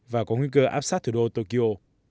và có nguy cơ áp sát thủ đô tokyo